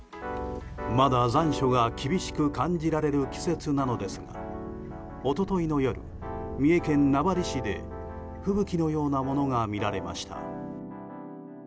まだ残暑が厳しく感じられる季節なのですが一昨日の夜、三重県名張市で吹雪のようなものが見られました。